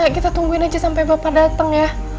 kita tungguin aja sampe bapak dateng ya